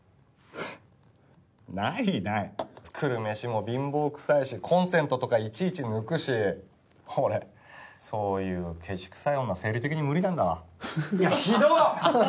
ないない作るメシも貧乏くさいしコンセントとかいちいち抜くし俺そういうケチくさい女生理的に無理なんだわ・いやひどっ！